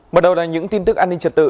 mở đầu là những tin tức an ninh trật tự